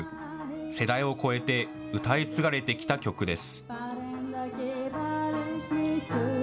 世代を超えて歌い継がれてきた曲です。